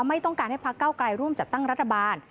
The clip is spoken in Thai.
ไม่ต้องการให้พักเก้าไกลร่วมจัดตั้งรัฐบาล